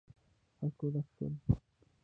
له خلکو ډک شول.